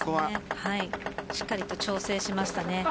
しっかりと調整しましたね。